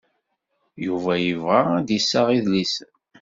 Yuba yebɣa ad d-iseɣ idlisen.